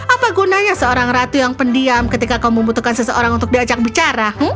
apa gunanya seorang ratu yang pendiam ketika kamu membutuhkan seseorang untuk diajak bicara